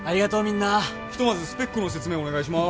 ひとまずスペックの説明お願いします。